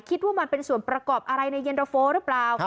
คิดว่ามันเป็นส่วนประกอบอะไรในเย็นตะโฟหรือเปล่า